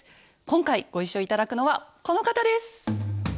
今回ご一緒頂くのはこの方です！